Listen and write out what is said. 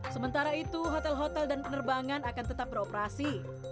sementara itu hotel hotel dan penerbangan akan tetap beroperasi